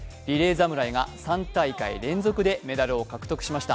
侍が３大会連続でメダルを獲得しました。